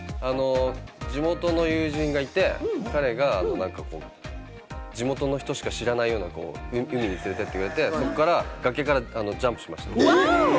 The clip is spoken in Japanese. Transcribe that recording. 地元の友人がいて、彼が地元の人しか知らないような海に連れてってくれて、そこから崖からジャンプしました。